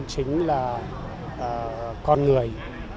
chính là con người